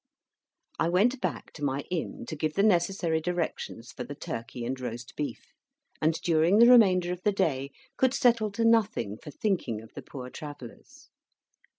I went back to my inn to give the necessary directions for the Turkey and Roast Beef, and, during the remainder of the day, could settle to nothing for thinking of the Poor Travellers.